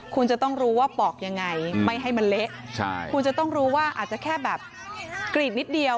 คุณจะต้องรู้ว่าปอกยังไงไม่ให้มันเละคุณจะต้องรู้ว่าอาจจะแค่แบบกรีดนิดเดียว